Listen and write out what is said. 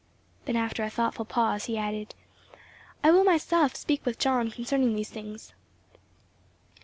Then after a thoughtful pause he added, "I will myself speak with John concerning these things."